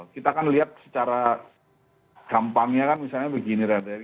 kita kan lihat secara gampangnya kan misalnya begini red ya